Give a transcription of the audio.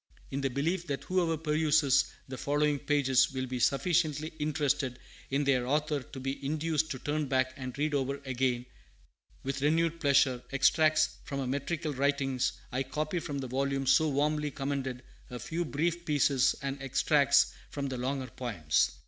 In the belief that whoever peruses the following pages will be sufficiently interested in their author to be induced to turn back and read over again, with renewed pleasure, extracts from her metrical writings, I copy from the volume so warmly commended a few brief pieces and extracts from the longer poems.